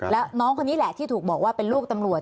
แล้วน้องคนนี้แหละที่ถูกบอกว่าเป็นลูกตำรวจ